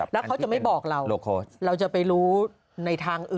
แล้วเขาจะไม่บอกเราเราจะไปรู้ในทางอื่น